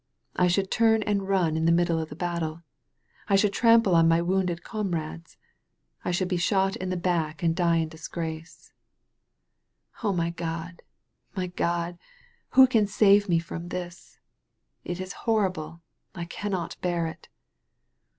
I should turn and run in the middle of the battle. I should trample on my wounded comrades. I should be shot in the back and die in disgrace. O my Grod ! my Grod ! who can save me from this? It is horrible. I cannot bear it."